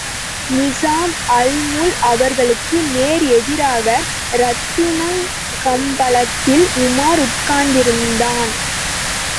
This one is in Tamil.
நிசாம் அல்முல்க் அவர்களுக்கு நேர் எதிராக ரத்தினக்கம்பளத்தில் உமார் உட்கார்ந்திருந்தான்.